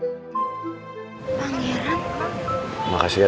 nanti malam jadi kan kita dinner